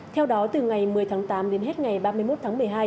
theo đó từ ngày một mươi tháng tám đến hết ngày ba mươi một tháng một mươi hai